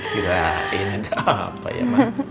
kirain ada apa ya ma